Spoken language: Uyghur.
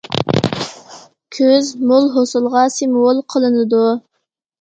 كۈز مول ھوسۇلغا سىمۋول قىلىنىدۇ.